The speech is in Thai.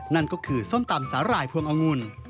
นั่นก็คือส้มตำสาหร่ายพวงองุ่น